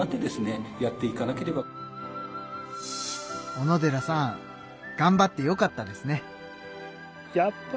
小野寺さんがんばってよかったですね。